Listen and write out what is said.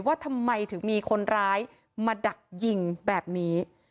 ว่าทำไมถึงมีคนร้ายมาดักยิงแบบนี้